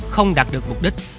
không đạt được mục đích